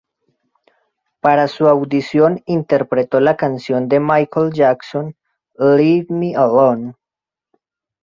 Para su audición interpretó la canción de Michael Jackson Leave Me Alone.